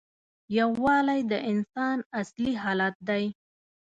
یووالی د انسان اصلي حالت دی.